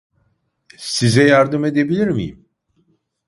Size yardım edebilir miyim?